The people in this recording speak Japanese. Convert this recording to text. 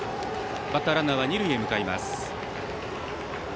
バッターランナーは二塁へ向かいます。